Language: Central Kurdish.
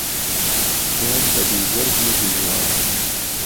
یان به دووزەرگی دوژوار